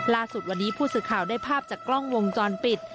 ล่าสุดวันนี้ผู้สื่อข่าวได้ภาพจากกล้องวงจรปิด